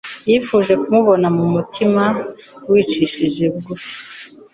Yifuje kumubona n'umutima wicishije bugufi